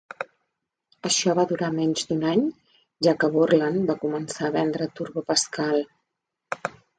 Això va durar menys d'un any, ja que Borland va començar a vendre Turbo Pascal.